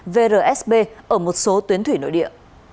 vrsb ở một số tuyến thủy nội địa